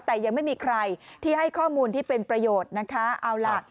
แต่ยังไม่มีใครที่ให้ข้อมูลที่เป็นประโยชน์นะคะเอาล่ะ